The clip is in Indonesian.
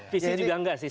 visi juga tidak sih